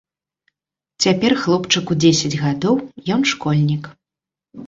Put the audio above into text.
Цяпер хлопчыку дзесяць гадоў, ён школьнік.